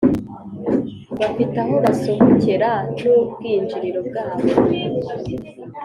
bafite aho basohokera n'ubwinjiriro bwabo,